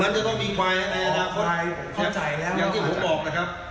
มันจะต้องมีควายอะไรนะครับอย่างที่ผมบอกนะครับ